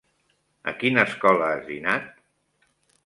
A quina escola has dinat?